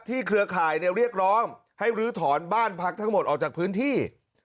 เครือข่ายเรียกร้องให้ลื้อถอนบ้านพักทั้งหมดออกจากพื้นที่